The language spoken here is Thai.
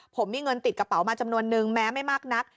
ผมมีเงินติดกระเป๋ามาจำนวนนึงแม้ไม่มากนัก